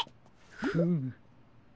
フム。